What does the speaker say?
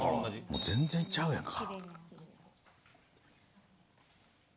もう全然ちゃうやんか。